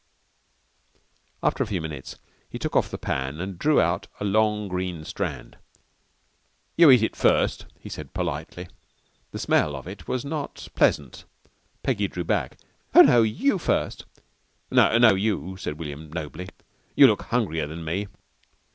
After a few minutes he took off the pan and drew out a long green strand. "You eat it first," he said politely. The smell of it was not pleasant. Peggy drew back. "Oh, no, you first!" "No, you," said William nobly. "You look hungrier than me."